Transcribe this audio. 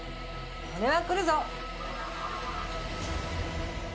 「これはくるぞ！」